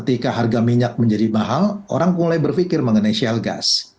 dan yang paling penting kita ubah kebaikan misalnya up until world